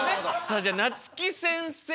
さあじゃなつき先生。